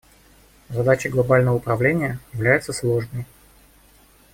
Задача глобального управления является сложной.